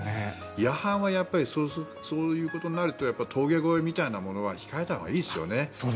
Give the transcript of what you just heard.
夜半はやはりそういうことになると峠越えみたいなものは控えたほうがいいですよね。